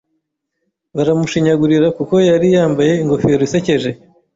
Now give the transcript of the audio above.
Baramushinyagurira kuko yari yambaye ingofero isekeje.